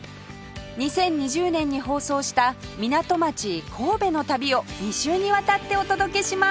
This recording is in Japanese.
２０２０年に放送した港町神戸の旅を２週にわたってお届けします